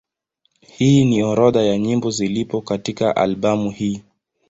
Hii ni orodha ya nyimbo zilizopo katika albamu hii.